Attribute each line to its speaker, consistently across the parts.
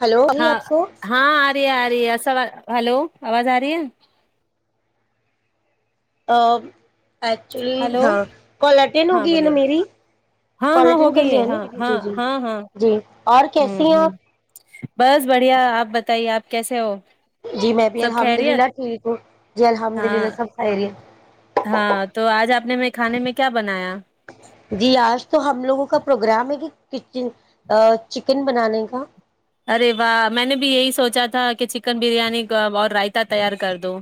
Speaker 1: hello ابھی
Speaker 2: ہاں
Speaker 1: آپ کو
Speaker 2: ہاں آرے آر سا ہلو آواز آ رہی ہے
Speaker 1: ا ایکچولی
Speaker 2: ہلو
Speaker 1: ہاں کوالٹن
Speaker 2: ہاں
Speaker 1: ہوگی ہے نا
Speaker 2: بولیے
Speaker 1: میری
Speaker 2: ہاں ہاں ہو
Speaker 1: کوالٹن کر
Speaker 2: گئی ہے
Speaker 1: لیا نا
Speaker 2: ہاں ہاں
Speaker 1: جی جی
Speaker 2: ہاں ہاں
Speaker 1: جی اور کیسی
Speaker 2: ہوں
Speaker 1: ہیں
Speaker 2: ہوں
Speaker 1: آپ
Speaker 2: بس بڑھیا آپ بتائیے آپ کیسے ہو
Speaker 1: جی میں بھی
Speaker 2: سب
Speaker 1: الحمد للہ
Speaker 2: خیریت
Speaker 1: ٹھیک ہوں جی الحمد
Speaker 2: ہاں
Speaker 1: للہ سب سایری ہے
Speaker 2: ہاں تو آج آپ نے میں کھانے میں کیا بنایا
Speaker 1: جی آج تو ہم لوگوں کا پروگرام ہے کہ کچن چکن بنانے کا
Speaker 2: ارے واہ میں نے بھی یہی سوچا تھا کہ چکن بریانی اور رائتا تیار کر دو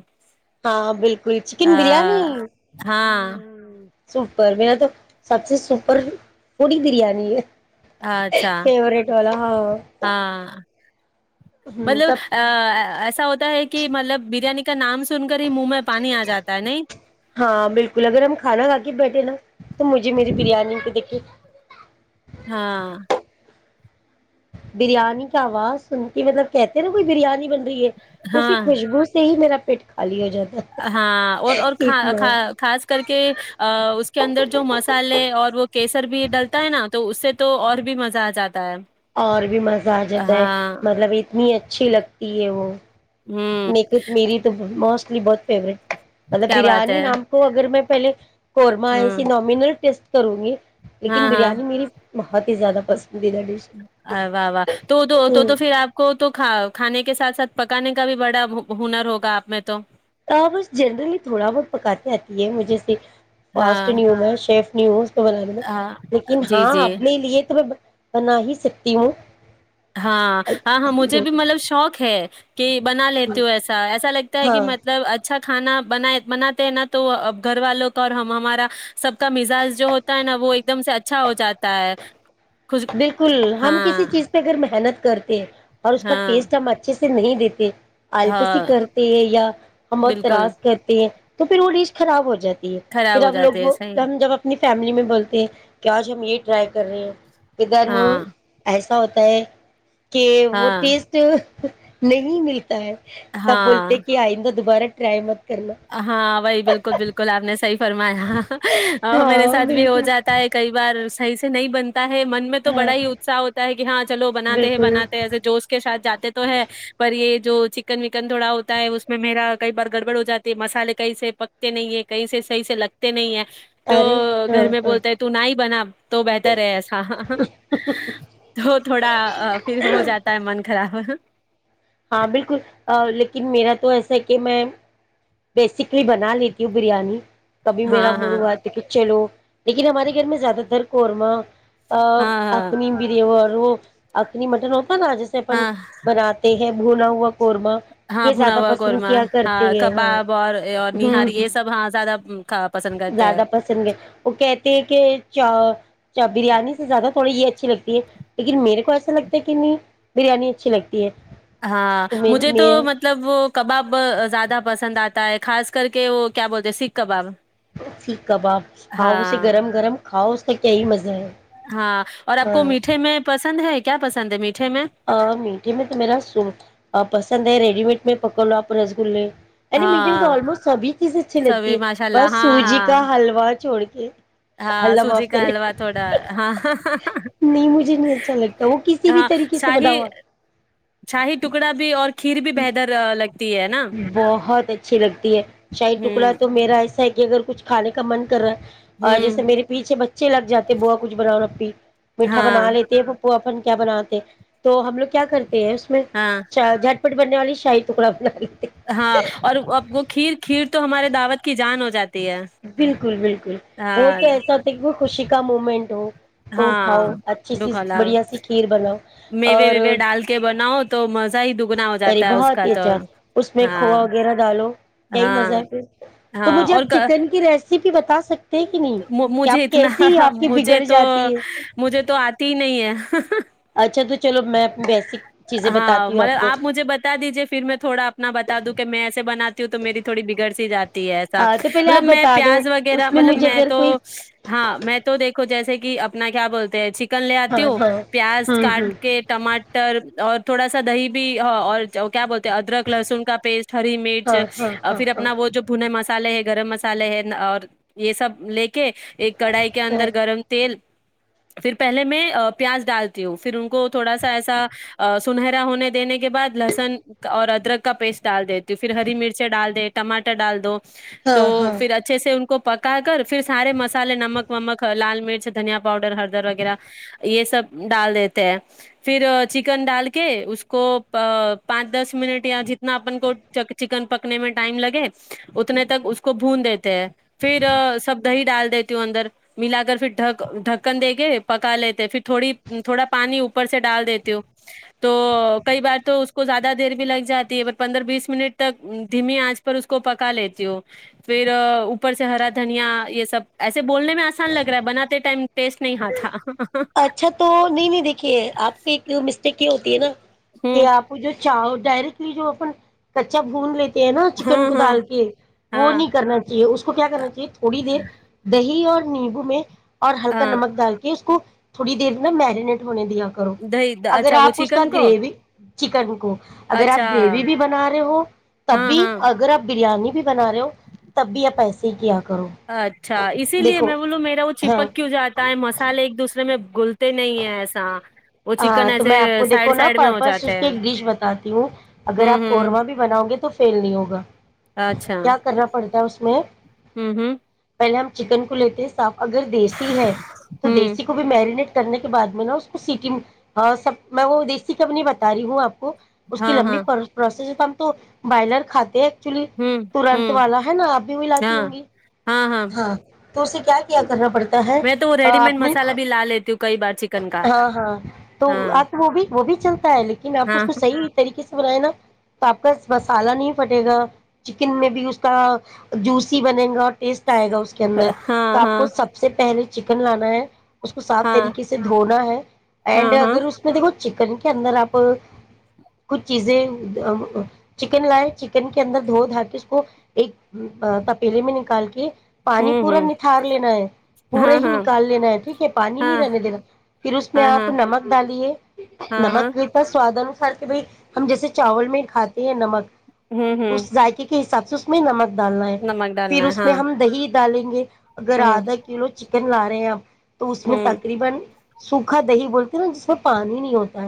Speaker 1: ہاں بالکل چکن بریانی ہ
Speaker 2: ہاں
Speaker 1: سوپر میرا تو سب سے سوپر تھوڑی بریانی ہے
Speaker 2: اچھا
Speaker 1: فیوروریٹ والا ہاں
Speaker 2: ہاں
Speaker 1: ہ
Speaker 2: مطلب
Speaker 1: تب
Speaker 2: ایسا ہوتا ہے کہ مطلب بریانی کا نام سن کر ہی منہ میں پانی آ جاتا ہے نہیں
Speaker 1: ہاں بالکل اگر ہم کھانا کھا کے بیٹھے نا تو مجھے میری بریانی پہ دیکھے
Speaker 2: ہاں
Speaker 1: بریانی کا آواز سن کے مطلب کہتے ہیں نا کوئی بریانی بن رہی ہے ت
Speaker 2: ہاں
Speaker 1: خوشبو سے ہی میرا پٹ کالی ہو جاتا ہے
Speaker 2: ہاں اور اور
Speaker 1: اتنا
Speaker 2: خاص کر کے اس کے اندر جو مسالے اور وہ کیسر بھی ڈلتا ہے نا تو اس سے تو اور بھی مزہ آ جاتا ہے
Speaker 1: اور بھی مزہ آ جاتا ہے
Speaker 2: ہاں
Speaker 1: مطلب اتنی اچ اچھی لگتی ہے وہ
Speaker 2: ہوں
Speaker 1: ن میری تو م اپنی بہت فیوریٹ مطلب
Speaker 2: کیا بات
Speaker 1: بریانی
Speaker 2: ہے
Speaker 1: نام کو اگر میں پہلے قورما ہے اس
Speaker 2: ہوں
Speaker 1: نامنل ٹیسٹ کروں گی لیکن
Speaker 2: ہاں ہاں
Speaker 1: بریانی میری بہت ہی زیادہ پسند
Speaker 2: واہ واہ تو تو
Speaker 1: ہے
Speaker 2: تو تو پھر آپ کو تو کا کھانے کے ساتھ ساتھ پکانے کا بھی بڑا ہنر ہوگا آپ میں تو
Speaker 1: ہ بس جنرلی تھوڑا بہت پکاتی آتی ہے مجھے سے فاسٹ
Speaker 2: ہاں
Speaker 1: نہیںی ہو ہے شف نیوز بنانے میں
Speaker 2: ہاں
Speaker 1: لیکن
Speaker 2: جی
Speaker 1: ہاں
Speaker 2: جی
Speaker 1: اپنے لیے تو میں بنا ہی سکتی ہوں
Speaker 2: ہاں ہاں ہاں مجھے
Speaker 1: بالکل
Speaker 2: بھی مطلب شوق ہے [inaudible] کہ بنا لیتی ہوں ایسا ایسا لگتا ہے کہ
Speaker 1: ہاں
Speaker 2: مطلب اچھا کھانا بن بناتے ہیں نا تو گھر والوں کا اور ہم ہمارا سب کا مزاج جو ہوتا ہے نا وہ ایک دم سے اچھا ہو جاتا ہے خوش
Speaker 1: بالکل ہم کسی
Speaker 2: ہاں
Speaker 1: چیز پہ اگر محنت کرتے اور اس کا
Speaker 2: ہاں
Speaker 1: ٹیسٹ ہم اچھے سے نہیں دیتی اللکسی
Speaker 2: ہاں
Speaker 1: کرتے ہیں یا ہم اور
Speaker 2: بالکل
Speaker 1: ترااز کرتے ہیں تو پھر وہ ڈیش خراب ہو جاتی
Speaker 2: خراب
Speaker 1: پھر
Speaker 2: ہو
Speaker 1: اب لوگ
Speaker 2: جاتے ہے
Speaker 1: وہ
Speaker 2: صحیح
Speaker 1: ہم جب اپنی فیملی میں بولتے ہیں کہ آج ہم یہ ٹرائی کر رہے ہیں کدھر ن
Speaker 2: ہاں
Speaker 1: ای ہوتا ہے کہ وہ
Speaker 2: ہاں
Speaker 1: ٹیسٹ نہیں ملتی تب
Speaker 2: ہاں
Speaker 1: بولتے کہ آئندہ دوبارہ ٹرائی م
Speaker 2: ہاں وہی بالکل بالکل آپ نے صی فرمایا اور میرے
Speaker 1: ہاں
Speaker 2: ساتھ بھی ہو
Speaker 1: بالکل
Speaker 2: جاتا ہے کئی بار صح سے نہیں بنتی ہے من میں تو
Speaker 1: ہاں
Speaker 2: بڑا ہی اتساہ ہوتا ہے کہ ہاں چلو بناتے ہیں
Speaker 1: بالکل
Speaker 2: بناتے ایسے جوش کے سھ جاتے تو ہے پر یہ جو چکن وکن تھوڑا ہوتا ہے اس میں میرا کئی بار گڑبڑ ہو جاتا ہے مسالے کہیں سے پکتے نہیں ہے کہیں سے صحیح سے لگتے نہیں ہے تو
Speaker 1: ارے ہاں
Speaker 2: گھر میں
Speaker 1: ہاں
Speaker 2: بولتے ہیں تو نہ ہی بنا تو بہتر ہے ایسا تو تھوڑا پھر ہو جاتا ہے من کا [unintelligible]
Speaker 1: ہاں بالکل لیکن میرا تو ایسا ہے کہ میں بیسکلی بنا لیتی ہوں بریانی کبھی میرا
Speaker 2: ہاں
Speaker 1: مڑ
Speaker 2: ہاں
Speaker 1: ہوا تو پچھے لوگ لیکن ہمارے گھر میں زیادہ تر قورمہ ا
Speaker 2: ہاں ہاں
Speaker 1: اخنی بریور وہ آکھنی مٹر ہو رجی سے اپن
Speaker 2: ہاں
Speaker 1: بناتے [unintelligible] قورما
Speaker 2: ہاں
Speaker 1: یہ
Speaker 2: بھنا
Speaker 1: زیادہ
Speaker 2: ہوا
Speaker 1: پسند
Speaker 2: قورمہ
Speaker 1: کیا کرتے ہیں ہاں
Speaker 2: کباب اور اور
Speaker 1: ہ
Speaker 2: نہاری
Speaker 1: ہ
Speaker 2: یہ سب ہاں زیادہ کھا- پسند کرتے ہیں
Speaker 1: زیادہ پسند ہے وہ کہتے ہیں کہ چ بریانی سے زیادہ تھوڑی یہ اچھی لگتی ہے لیکن میرے کو ایسا لگتا ہے کہ نہیں بریانی اچھی لگتی ہے
Speaker 2: ہاں
Speaker 1: میرے
Speaker 2: مجھے تو
Speaker 1: میرے
Speaker 2: مطلب وہ کباب زیادہ پسند آتے ہے خاص کر کے وہ کیا بولتے ہیں سکھ کباب
Speaker 1: ٹھیک ہے با ہاؤ اسے
Speaker 2: ہاں
Speaker 1: گرم گرم کاؤ
Speaker 2: ہاں اور آپ کو
Speaker 1: ہاں
Speaker 2: میٹھے میں پسند ہے کیا پسند ہے میرے
Speaker 1: میٹھے میں تو میرا س پسند ہے ریڈی مڈ میں پک لو اپپنےس گے نی میٹے میں تو
Speaker 2: ہاں
Speaker 1: آلموسٹ سبھی چیزیں اچھی لگتی
Speaker 2: سبھی
Speaker 1: ہے
Speaker 2: ماشاء اللہ
Speaker 1: بس
Speaker 2: ہاں
Speaker 1: سوجی
Speaker 2: ہاں
Speaker 1: کا حلوا چھوڑ کے [unintelligible]
Speaker 2: ہاں
Speaker 1: اللہ
Speaker 2: سوجی
Speaker 1: معاف
Speaker 2: کا
Speaker 1: کرے
Speaker 2: حلوا تھوڑا ہاں
Speaker 1: نہیں مجھے نہیں اچھا لگتا وہ کسی بھی
Speaker 2: ہاں
Speaker 1: طریقے سے
Speaker 2: شاہی
Speaker 1: بناؤ آپ
Speaker 2: شاہی ٹکڑا بھی اور کھیر بھی بہتر لگتی ہے نا
Speaker 1: بہت اچھی لگتی ہے شاہید ٹکڑا
Speaker 2: ہوں
Speaker 1: تو میرا ایسا ہے کہ اگر کچھ کھانے کا من کر رہا ہے اور
Speaker 2: ہوں
Speaker 1: جیسے میرے پیچھے بچے اچھے لگ جاتے بو کچ بناور ا اپ بھی میٹھا بنا
Speaker 2: ہاں
Speaker 1: لیتے وہ اپن کیا بناتے تو ہم لوگ کیا کرتے اس میں
Speaker 2: ہاں
Speaker 1: جھٹ پٹ بننے والی شاہی ٹکڑا پ
Speaker 2: ہاں اور اب وہ کھیر کھیر تو ہمارے دعوت کی جان ہو جاتی ہے
Speaker 1: بالکل بالکل وہ
Speaker 2: ہاں
Speaker 1: تو ایسا ہوتا کہ وہ خوشی کا مومنٹ ہو تو اٹھاؤ
Speaker 2: ہاں
Speaker 1: اچھی سی
Speaker 2: دکھ ل
Speaker 1: بڑھیا سی کھیر بناؤ
Speaker 2: میوے
Speaker 1: اور
Speaker 2: ویوے ڈال کے بناؤ تو مزہ ہی دگنا ہو
Speaker 1: ارے
Speaker 2: جاتا ہے اس
Speaker 1: بہت
Speaker 2: کا
Speaker 1: ہی
Speaker 2: تو
Speaker 1: اچھا اس میں
Speaker 2: ہاں
Speaker 1: کھووا وغیرہ ڈالو یہی
Speaker 2: ہاں
Speaker 1: مزہ ہے پھر تو
Speaker 2: ہاں
Speaker 1: مجھے
Speaker 2: اور
Speaker 1: آپ چکن کی ریس ک بھی بتا سکتے ہیں کہ نہیں کہ
Speaker 2: مجھے
Speaker 1: آپ
Speaker 2: اتنا
Speaker 1: کیسی آپ کی
Speaker 2: مجھے
Speaker 1: بگڑ
Speaker 2: تو
Speaker 1: جاتی ہے
Speaker 2: مجھے تو آتی ہی نہیں ہے
Speaker 1: اچھا کچھ
Speaker 2: ہاں مطلب آپ مجھے بتا دیجیے پھر میں تھوڑا اپنا بتا دوں کہ میں ایسے بنااتا تو میری تھوڑی بگڑ سی جی ایسا
Speaker 1: ہاں تو پہلے آپ
Speaker 2: مطلب میں
Speaker 1: بتا دو
Speaker 2: پیاز وغیرہ
Speaker 1: اس
Speaker 2: مطلب
Speaker 1: مجھے
Speaker 2: میں
Speaker 1: اگر
Speaker 2: تو
Speaker 1: کوئی
Speaker 2: ہاں میں تو دیکھ کو جیسے کہ اپنا کیا بولتے ہیں چ کر لے آتی
Speaker 1: ہاں
Speaker 2: ہو
Speaker 1: ہاں
Speaker 2: پیاز
Speaker 1: ہوں ہوں
Speaker 2: کاٹ ٹماٹر اور تھوڑا سا دہی بھی ہ اور کیا ب ادرک لہسن کا پیسٹ ہری مرچ
Speaker 1: ہاں ہاں
Speaker 2: اور
Speaker 1: ہاں
Speaker 2: پھر
Speaker 1: ہاں
Speaker 2: اپنا وہ جو بھنے ماس مسالے ہے گرم مسالے ہے اور یہ سب لے کے ایک کڑھائی کے
Speaker 1: ہاں
Speaker 2: اندر گرم تیل پھر پہلے میں پیاز ڈالتی ہوں پھر ان کو تھوڑا سا ایسا سنہرا ہونے دینے کے کے بعد لہسن اور اد ادرک کا پیسٹ ڈال دیتی ہ پھر ہری مرچ ڈال دے ٹماٹر ڈال دو تو
Speaker 1: ہاں ہاں
Speaker 2: پھر اچھے سے ان کو کو پکا کر پھر سارے مسالے نمک ومک لال مرچ دھنیا پاؤڈر ہردر وغیرہ یہ سب ڈال دیتے ہیں پھر چکن ڈال کے اس کو پانچ دس منٹ یا جتنا اپن کو چکن پکنے میں ٹائم لگے اتنے تک اس کو بھون دیتے پھر سب دہی ڈال دیتے اندر ملا کر پھر ڈ ڈھکن دے کے پکا لیتے پھر تھوڑی تھوڑا پانی اوپر اوپر سے ڈال دیتی ہوں تو کئی بار تو اس اس کو زیادہ دیر بھی لگ جاتی ہے پندرہ بیس منٹ تک دھیمی آنچ پر اس کو پکا لیتی ہو پھر اوپر سے ہرا دھنیا یہ سب ایسے بولنے میں آسان لگ رہا ہے بناتے ٹائم ٹیسٹ نہیں ہ تھا
Speaker 1: کہ آپ کے کیوں مسٹیک ہوتی ہے نا کہ
Speaker 2: ہوں
Speaker 1: آپ ڈائرٹلی جو اپ کچا بھون لی ہے نا چکن
Speaker 2: ہاں
Speaker 1: کو
Speaker 2: ہاں
Speaker 1: ڈال کے وہ
Speaker 2: ہاں
Speaker 1: نہیں کرنا چاہیے اس کو کیا کرنا چاہیے تھوڑی دیر دہی ج اور نیمبو میں اور ہلکا
Speaker 2: ہاں
Speaker 1: نمک ڈال کے اس کو تھوڑ دیر ن میرینیٹ ہو نے دیا کرو
Speaker 2: دہی
Speaker 1: اگر
Speaker 2: اچھا وہ
Speaker 1: آپ اس کا
Speaker 2: چکن کو
Speaker 1: گریوی چکن کو اگر
Speaker 2: اچھا
Speaker 1: آپ گریوی بھی بنا رہے ہو تب
Speaker 2: ہاں
Speaker 1: بھی
Speaker 2: ہاں
Speaker 1: اگر آپ بریانی بھی بنا رہے ہو تب بھی آ اییسے سیکھیا
Speaker 2: اچھا اسی لیے میں بولوں میرا وہ
Speaker 1: ہاں
Speaker 2: چپک کیوں جاتا ہے مسالے ایک دوسرے میں گول
Speaker 1: ہاں تو
Speaker 2: ایسے
Speaker 1: میں آپ کو دیکھو
Speaker 2: سائڈ
Speaker 1: نا
Speaker 2: سائڈ میں ہو
Speaker 1: پرپس
Speaker 2: جاتے
Speaker 1: اس کی
Speaker 2: ہیں
Speaker 1: ایک ڈش بتاتی ہوں اگر
Speaker 2: ہوں
Speaker 1: آپ
Speaker 2: ہوں
Speaker 1: قورمہ بھی بناؤ گے تو فیل نہیں ہوگا
Speaker 2: اچھا
Speaker 1: کیا کرنا پڑتا ہے اس کو میں
Speaker 2: ہوں ہوں
Speaker 1: پہلے ہم چکن کو لیتے اگر دیسی ہے تو
Speaker 2: ہوں
Speaker 1: دیسی کو بھی میرینیٹ کرنے کے بعد میں نا اس کو سیٹی سب میں وہ دیسی کبنی بتا رہی ہوں آپ کو کو اس کی
Speaker 2: ہاں
Speaker 1: لمبی
Speaker 2: ہاں
Speaker 1: پروسیس پ تو بائلر کاتے ایکچولی
Speaker 2: ہوں
Speaker 1: ترنت
Speaker 2: ہوں
Speaker 1: والا ہے نا آپ بھی ملاتی
Speaker 2: ہاں
Speaker 1: ہوں گی ہاں تو اسے کیا کیا کرنا پڑتا ہے
Speaker 2: میں تو وہ ریڈی میڈ
Speaker 1: آپ نے
Speaker 2: مسالہ بھی لا لیتی ہوں کئی بار چکن کا
Speaker 1: ہاں ہاں تو
Speaker 2: ہاں
Speaker 1: آپ وہ بھی وہ بھی چل ہے لیکن آپ اس
Speaker 2: ہاں
Speaker 1: کو صحیح طریقے سے بنائے نا تو آپ کا مسالہ نہیں پھٹے گا چکن میں بھی اس کا جوسی بنے گا اور ٹیسٹ آئے گا اس کے اندر تو
Speaker 2: ہاں
Speaker 1: آپ کو
Speaker 2: ہاں
Speaker 1: سب سے پہلے چکن لانا ہے اس کو صف
Speaker 2: ہاں
Speaker 1: طریقے سے دھونا ہے اینڈ
Speaker 2: ہاں ہاں
Speaker 1: اگر اس میں دیکھو چکن کے اندر آپ کچھ چیزیں چکن لائے چکن کے اندر دھو دھا کے اس کو ایک تپیلے میں نکال کے پانی
Speaker 2: ہوں
Speaker 1: پورا
Speaker 2: ہوں
Speaker 1: نتار لینا ہے پورا
Speaker 2: ہاں
Speaker 1: ہی
Speaker 2: ہاں
Speaker 1: نکال لینا ہے ٹھیک ہے پانی نہیں
Speaker 2: ہاں
Speaker 1: رہنے دینا پھر اس میں
Speaker 2: ہاں
Speaker 1: آپ
Speaker 2: ہاں
Speaker 1: نمک ڈالیے
Speaker 2: ہاں ہاں
Speaker 1: نمکتا سار کہ بھائی ہم جیسے چاول میں ہی کھاتے یہ نمک
Speaker 2: ہوں ہوں
Speaker 1: اس ذائقے کے [unintelligible] میں نمک ڈالنا ہے
Speaker 2: نمک ڈالنا
Speaker 1: پھر
Speaker 2: ہے
Speaker 1: اس میں
Speaker 2: ہاں
Speaker 1: ہم دہی ڈالیں [unintelligible] اگر
Speaker 2: ہوں
Speaker 1: آدھا کلو چ کن لا رہے ہیں آپ تو اس میں
Speaker 2: ہوں
Speaker 1: تقریبا سوکھا دہی بولتی نا جس سے پانی نہیں ہوتا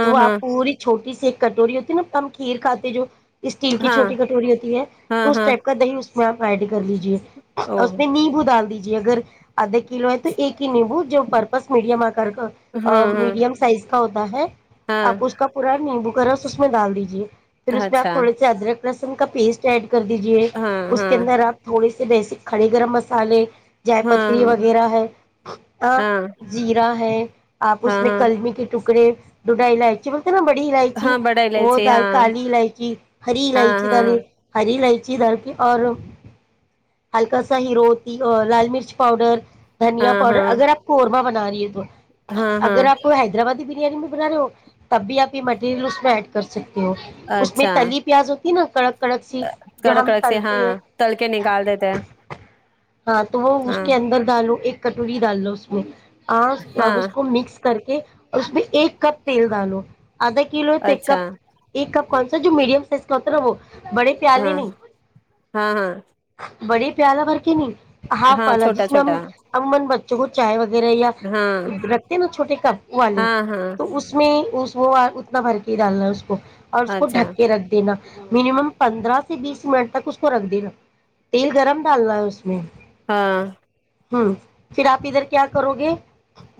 Speaker 1: تو وہ آپ
Speaker 2: ہاں
Speaker 1: پوری چھوٹی سی ایک کٹوری ہوتی ہے نا ہم کھیر کاتے جو اسٹیل کی
Speaker 2: ہاں
Speaker 1: چھوٹی کٹوری ہوتی ہے
Speaker 2: ہاں
Speaker 1: تو اس
Speaker 2: ہاں
Speaker 1: ٹائپ کا دہی [unintelligible] کر لیجیے اس
Speaker 2: اوہ
Speaker 1: میں نیبو ڈال دیجیے ج اگر آدھا کلو ہے تو ایک ہی نیبو ج میڈیم آ کر
Speaker 2: ہاں
Speaker 1: میڈیم سائز [unintelligible]
Speaker 2: ہاں
Speaker 1: آپ اس کا پور نیبو ں بک رس اس میں ڈال دیجیے پھر
Speaker 2: ہاں
Speaker 1: اس میں آ
Speaker 2: اچھا
Speaker 1: تھوڑ س سے ادرک لہسن کا پیسٹ ایڈ کر دیجیے
Speaker 2: ہاں
Speaker 1: اس
Speaker 2: ہاں
Speaker 1: کے اندر آپ تھوڑے بیسک کھڑے گرم مصالے جائے پتھری
Speaker 2: ہاں
Speaker 1: وغیرہ ہے ا
Speaker 2: ہاں
Speaker 1: زیرا ہے آپ اس
Speaker 2: ہاں
Speaker 1: میں
Speaker 2: ہاں
Speaker 1: کلمی کے ٹکڑے ڈڈائی لائچ نا بڑی الائچی
Speaker 2: ہاں بڑا
Speaker 1: وہ
Speaker 2: الائچی
Speaker 1: دال
Speaker 2: ہاں
Speaker 1: کالی الائچی ہری
Speaker 2: ہاں
Speaker 1: الائچی
Speaker 2: ہاں
Speaker 1: دالی ہری الائچی دھر کی اور ہلکا سا ہیرو ہوتی اور لال مرچ پاؤڈر دھنیا
Speaker 2: ہاں
Speaker 1: پاؤڈر
Speaker 2: ہاں
Speaker 1: اگر آپ ا بنا رہی ہے تو
Speaker 2: ہاں
Speaker 1: اگر
Speaker 2: ہاں
Speaker 1: آپ حیدرآبادی ب رہے ہو تب بھی آپ یہ مٹیریل اس میں ایڈ کر سکتے اس میں
Speaker 2: اچھا
Speaker 1: تلی پیاز ہوتی نا کڑک کڑک سی جو
Speaker 2: کڑک
Speaker 1: ہم
Speaker 2: کڑک سے ہاں
Speaker 1: تلتے ہیں
Speaker 2: تل کے نکال دیتے ہیں
Speaker 1: ہاں تو وہ اس
Speaker 2: ہاں
Speaker 1: کے اندر ڈالو ایک کٹوی ڈال لو ایک اہ اب
Speaker 2: ہاں
Speaker 1: اس کو مکس کر کے اور اس میں ایک کپ تیل ڈالو ادھ کلو
Speaker 2: اچھا
Speaker 1: تیکپ ایکپ کون سا جو میڈیم سائز کلتر ہو وہ بڑے
Speaker 2: ہاں
Speaker 1: پیاالے ن
Speaker 2: ہاں ہاں
Speaker 1: بڑے پیاار کر کے نہیں ہاں فل
Speaker 2: چھوٹا
Speaker 1: جس میں
Speaker 2: چھوٹا
Speaker 1: ہم ان ب چاہے وہ یا
Speaker 2: ہاں
Speaker 1: رکھتے نا چھوٹے کپ والے
Speaker 2: ہاں ہاں
Speaker 1: تو اس میں اس وہ اتنا بھر کے ہی ڈالنا ہے اس اور اس کو
Speaker 2: اچھا
Speaker 1: ڈھک کے رکھ دینا مینمم پندرہ سے بیس منٹ تک اس کو رکھ دینا تیل گرم ڈالناا ہے اس میں
Speaker 2: ہاں
Speaker 1: ہاں پھر آپ ادھر کیا کرو گے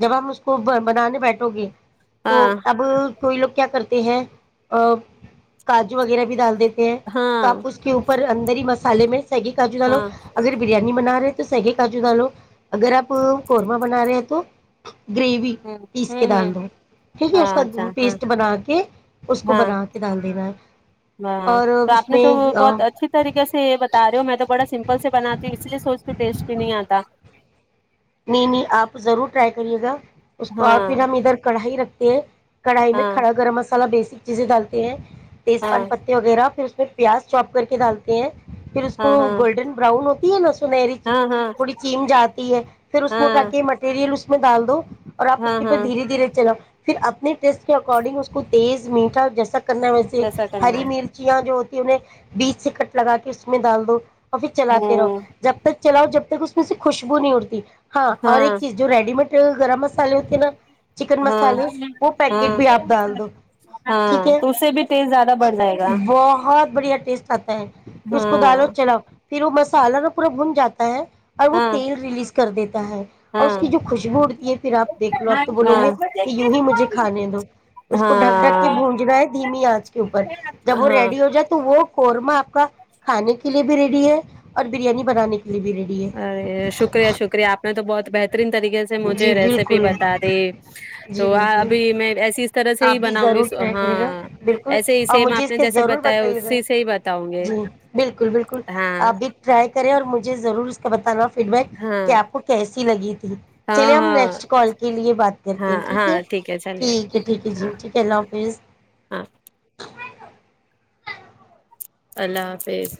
Speaker 1: جب ہم اس کو بنانے بیٹھو گے تو
Speaker 2: ہاں
Speaker 1: اب تھئی لوگ کیا کرتے ہیں ا کاجو وغیرہ بھی ڈال دیتے ہیں تو
Speaker 2: ہاں
Speaker 1: آپ اس کے اوپر اندر ہی مسالے میں سیگی کاجو ڈالو
Speaker 2: ہاں
Speaker 1: اگر بریانی بنا رہے تو س کاجو ڈالو اگر آپ قورما بنا رہے ہیں تو گریوی
Speaker 2: ہ
Speaker 1: پیس کے
Speaker 2: ہ
Speaker 1: ڈال دو ٹھیک ہے اس کا
Speaker 2: ہاں اچھا ہاں
Speaker 1: پیسٹ بنا کے اس کو
Speaker 2: ہاں
Speaker 1: بنا کے ڈال دینا ہے
Speaker 2: ہاں
Speaker 1: اور
Speaker 2: تو
Speaker 1: اس
Speaker 2: آپ نے تو
Speaker 1: میں
Speaker 2: بہت اچھی طریقے سے یہ بتا رہے ہو میں تو بڑا سمپل سے بناتی ہوں اس لیے سوچتی ٹیسٹ بھی نہیں آتا
Speaker 1: نہیں نہیں آپ ضرور ٹرائی کریے گا اس کو اور پھر
Speaker 2: ہاں
Speaker 1: ہم ادھر کڑھائی رکھتے ایک کڑائی میں
Speaker 2: ہاں
Speaker 1: کڑا گرم مسالا ب بیسک چیزیں ڈالتی ہیں تیز پان
Speaker 2: ہاں
Speaker 1: پتے وغیرہ پھر پ پیاز چوپ کر کے ڈالتے ہیں پھر اس کو
Speaker 2: ہاں ہاں
Speaker 1: گولڈن براؤن ہوتی ہے نا سنہری چ
Speaker 2: ہاں ہاں
Speaker 1: تھوڑی چیم جاتی ہے اس میںٹھک
Speaker 2: ہاں
Speaker 1: کے مٹیریل اس میں ڈال دو اور آپ اس
Speaker 2: ہاں
Speaker 1: کے پ
Speaker 2: ہاں
Speaker 1: دھیرے دھیرے چلاؤ پھر آپ اپنے ٹیسٹ کے اکارڈنگ اس کو تیز میٹا جیسا کرنا ویسے
Speaker 2: جیسا کرنا
Speaker 1: ہری
Speaker 2: ہے
Speaker 1: مرچیاں جو انہیں بیچ سے کٹ لگا کے اس میں ڈال دو آفس چلاتے رہو
Speaker 2: ہوں
Speaker 1: جب تک چلاؤ جب تک اس میں سے خوشبو نہیں اٹتی ہاں اور ایک چیز جو ریڈی میڈ گرم مسالے ہوتے نا چکن
Speaker 2: ہاں
Speaker 1: مسالے وہ پیکٹ
Speaker 2: ہاں
Speaker 1: بھی آپ ڈال دو ٹھیک
Speaker 2: ہاں
Speaker 1: ہے
Speaker 2: تو اس سے بھی ٹیسٹ زیادہ بڑھ جائے گا
Speaker 1: بہت بڑھیا ٹیسٹ آتا ہے اس کو دالو
Speaker 2: ہاں
Speaker 1: چلا پھر وہ مسالہ نا پورا بھن جاتا ہے اور وہ
Speaker 2: ہاں
Speaker 1: تیل ریلیز کر دیتے اور اس
Speaker 2: ہاں
Speaker 1: کی جو خوشبو اڑتی ہے پھر آپ دیکھ لو اب تو بولو
Speaker 2: ہاں
Speaker 1: گے کہ یوں ہی مجھے کھانے دو اس کو ڈھک ڈھک کے
Speaker 2: ہاں
Speaker 1: بونجنا ہے دھیمی آنچ کے اوپر جب وہ
Speaker 2: ہاں
Speaker 1: ریڈی ہو جائے تو وہ قورمہ آپ کا کھانے کا قلیےبی ریڈی ہے اور بریانی بنانے کی
Speaker 2: ارے شکریہ شکریہ میں تو بہت بہترین طریقے سے
Speaker 1: جی
Speaker 2: مجھے ریسیپی
Speaker 1: بالکل
Speaker 2: بتا دی
Speaker 1: جی
Speaker 2: تو
Speaker 1: بالکل
Speaker 2: ابھی میں ایسی اس طرح سے
Speaker 1: آپ
Speaker 2: ہی
Speaker 1: بھی
Speaker 2: بناؤں گی
Speaker 1: ضرور ٹرائی کرے گا
Speaker 2: ہاں
Speaker 1: بالکل
Speaker 2: ایسے ہی
Speaker 1: اور
Speaker 2: سیم
Speaker 1: مجھے
Speaker 2: آپ
Speaker 1: اس
Speaker 2: نے
Speaker 1: کے
Speaker 2: جیسے
Speaker 1: ضرور
Speaker 2: بتایا
Speaker 1: بتائیے گا
Speaker 2: اسی سے ہی بتاؤں گی
Speaker 1: جی بالکل بالکل
Speaker 2: ہاں
Speaker 1: آپ بھی ٹرائی اور مجھے ضرور اس کا بتانا فیڈ بیک
Speaker 2: ہاں
Speaker 1: کیا آپ کیسی لگی تھی چلے
Speaker 2: ہاں
Speaker 1: ہم
Speaker 2: ہاں
Speaker 1: نیکسٹ کال کے لیے بات کرتے ہیں
Speaker 2: ہاں
Speaker 1: ٹھیک
Speaker 2: ہاں
Speaker 1: ہے
Speaker 2: چلیے
Speaker 1: ٹھیک ہے ٹھیک ہے
Speaker 2: ہاں
Speaker 1: جی ٹھیک ہے اللہ
Speaker 2: ہاں
Speaker 1: حافظ
Speaker 2: اللہ حافظ